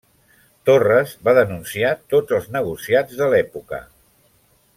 Torres va denunciar tots els negociats de l'època.